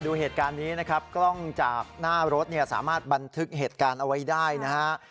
ดูเหตุการณ์นี้นะครับกล้องจากหน้ารถเนี่ยสามารถบันทึกเหตุการณ์เอาไว้ได้นะฮะ